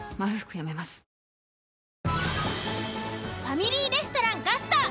ファミリーレストラン「ガスト」。